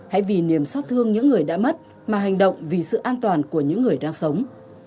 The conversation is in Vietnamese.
hãy vì niềm xót thương những người đã mất mà hành động vì sự an toàn của những người đang sống